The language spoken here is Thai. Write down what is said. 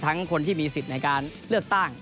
คนที่มีสิทธิ์ในการเลือกตั้ง